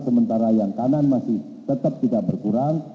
sementara yang kanan masih tetap tidak berkurang